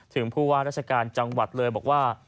ผู้ว่าราชการจังหวัดเลยบอกว่า